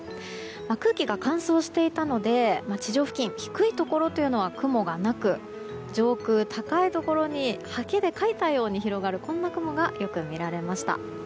空気が乾燥していたので地上付近、低いところというのは雲がなく、上空高いところに刷毛で描いたように広がるこんな雲がよく見られました。